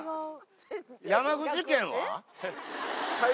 山口県は？